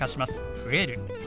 「増える」。